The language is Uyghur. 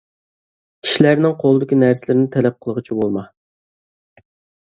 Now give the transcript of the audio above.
كىشىلەرنىڭ قولىدىكى نەرسىلەرنى تەلەپ قىلغۇچى بولما.